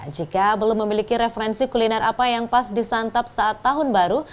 jika belum memiliki referensi kuliner apa yang pas disantap saat tahun baru